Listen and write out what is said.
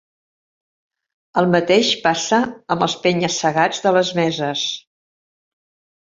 El mateix passa amb els penya-segats de les meses.